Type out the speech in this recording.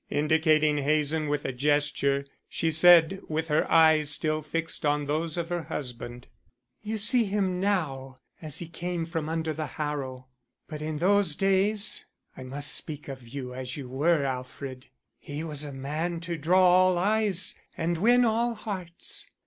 Indicating Hazen with a gesture, she said, with her eyes still fixed on those of her husband: "You see him now as he came from under the harrow; but in those days I must speak of you as you were, Alfred he was a man to draw all eyes and win all hearts.